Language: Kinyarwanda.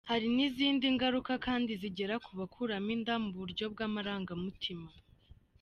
Hari n’izindi ngaruka kandi zigera ku bakuramo inda mu buryo bw’amarangamutima.